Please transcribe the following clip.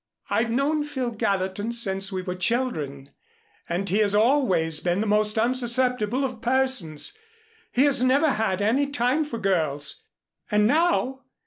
"I've known Phil Gallatin since we were children, and he has always been the most unsusceptible of persons. He has never had any time for girls. And now!